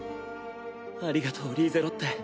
ありがとうリーゼロッテ。